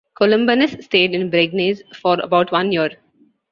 Columbanus stayed in Bregenz for about one year.